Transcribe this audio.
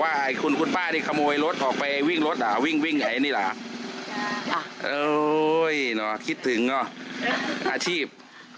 ว่าเราเคยทำเนอะอาชีพพวกเราคุณดอสได้ไงนะถามว่าอยวัดเป็นไงป